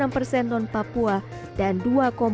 kami sedang menerima informasi dari ucep